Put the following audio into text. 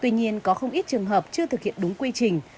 tuy nhiên có không ít trường hợp chưa thực hiện đúng quy trình